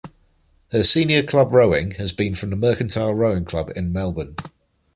Her senior club rowing has been from the Mercantile Rowing Club in Melbourne.